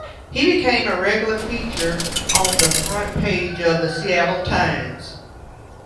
He became a regular feature on the front page of "The Seattle Times".